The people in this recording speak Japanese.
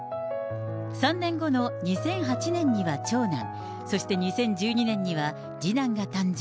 ３年後の２００８年には長男、そして２０１２年には次男が誕生。